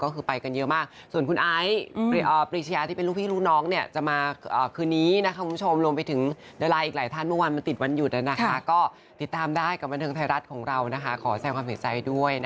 ก็คือว่าสิ่งหนึ่งที่รู้สึกได้